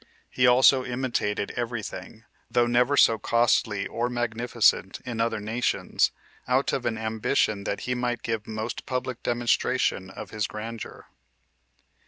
He also imitated every thing, though never so costly or magnificent, in other nations, out of an ambition that he might give most public demonstration of his grandeur.